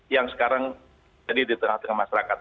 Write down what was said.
yang sekarang jadi di tengah tengah masyarakat